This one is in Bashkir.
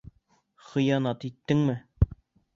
Хыянат иттеңме?